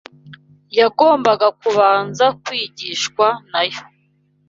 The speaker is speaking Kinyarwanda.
yagombaga kubanza kwigishwa na yo.